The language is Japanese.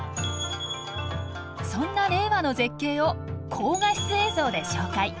そんな令和の絶景を高画質映像で紹介。